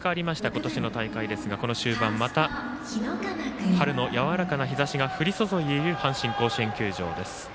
今年の大会ですが、この終盤また春のやわらかな日ざしが降り注いでいる阪神甲子園球場です。